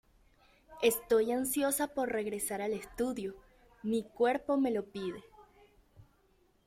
Estoy ansiosa por regresar al estudio, mi cuerpo me lo pide".